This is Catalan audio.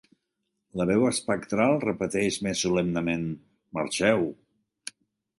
La veu espectral repeteix més solemnement: "Marxeu!".